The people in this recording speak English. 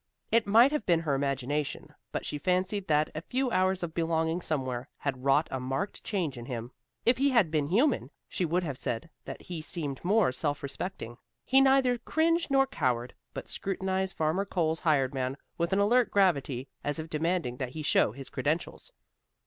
It might have been her imagination, but she fancied that a few hours of belonging somewhere, had wrought a marked change in him. If he had been human, she would have said that he seemed more self respecting. He neither cringed nor cowered, but scrutinized Farmer Cole's hired man with an alert gravity, as if demanding that he show his credentials.